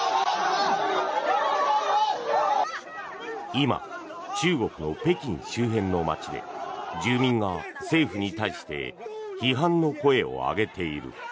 今、中国の北京周辺の街で住民が政府に対して批判の声を上げている。